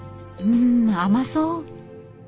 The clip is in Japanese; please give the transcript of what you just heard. ん甘そう。